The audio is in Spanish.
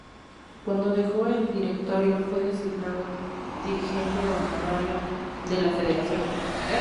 Cuando dejó el directorio fue designado dirigente honorario de la federación.